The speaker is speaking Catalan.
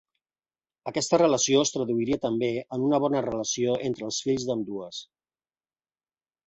Aquesta relació es traduiria també en una bona relació entre els fills d'ambdues.